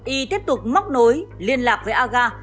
ygrec tiếp tục móc nối liên lạc với aga